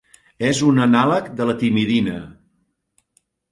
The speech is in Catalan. És un anàleg de la timidina.